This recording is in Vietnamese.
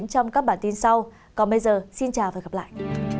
trong các bản tin sau còn bây giờ xin chào và hẹn gặp lại